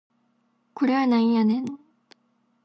これはなんやねん